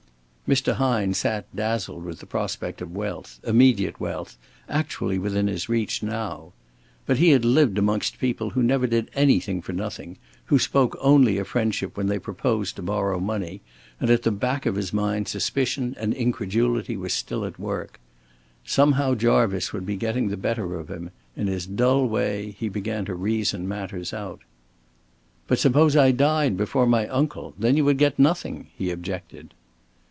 Mr. Hine sat dazzled with the prospect of wealth, immediate wealth, actually within his reach now. But he had lived amongst people who never did anything for nothing, who spoke only a friendship when they proposed to borrow money, and at the back of his mind suspicion and incredulity were still at work. Somehow Jarvice would be getting the better of him. In his dull way he began to reason matters out. "But suppose I died before my uncle, then you would get nothing," he objected.